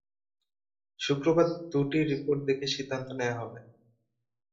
শুক্রবার দু’টি রিপোর্ট দেখে সিদ্ধান্ত নেওয়া হবে।